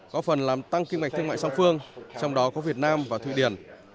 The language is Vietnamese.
có phần làm tăng kim ngạch thương mại song phương trong đó có việt nam và thụy điển